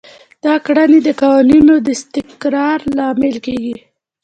دا کړنې د قوانینو د استقرار لامل کیږي.